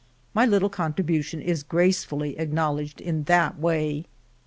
My little contribu tion is gracefully acknowledged in that way.